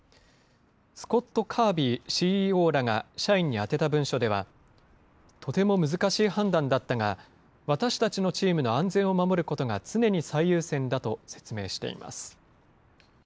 スコット・カービーＣＥＯらが社員に宛てた文書では、とても難しい判断だったが、私たちのチームの安全を守ることが常に最優先だと説明しています。